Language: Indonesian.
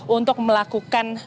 untuk melakukan adanya